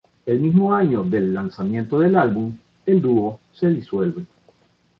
El mismo año del lanzamiento del álbum el dúo se disuelve.